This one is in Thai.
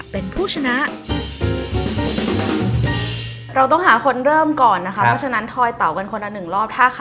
ข้าขอดีครับ